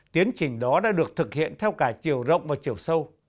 tiến trình đó đã được thực hiện theo cả chiều rộng và chiều sâu